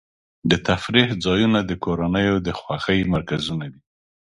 د تفریح ځایونه د کورنیو د خوښۍ مرکزونه دي.